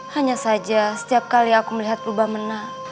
hanya saja setiap kali aku melihat pubah menang